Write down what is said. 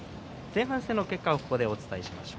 前半戦の結果をここでお伝えします。